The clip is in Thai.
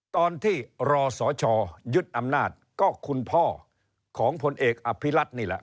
ตอนที่รอสชยึดอำนาจก็คุณพ่อของพลเอกอภิรัตนี่แหละ